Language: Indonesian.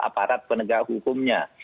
aparat penegak hukumnya